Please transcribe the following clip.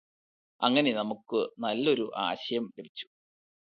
അങ്ങനെ നമുക്ക് നല്ല ഒരു ആശയം ലഭിച്ചു